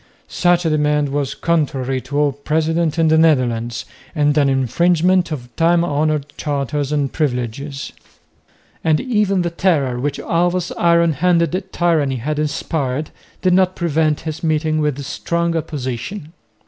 Such a demand was contrary to all precedent in the Netherlands and an infringement of time honoured charters and privileges; and even the terror, which Alva's iron handed tyranny had inspired, did not prevent his meeting with strong opposition.